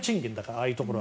ああいうところは。